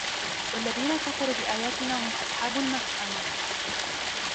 وَالَّذِينَ كَفَرُوا بِآيَاتِنَا هُمْ أَصْحَابُ الْمَشْأَمَةِ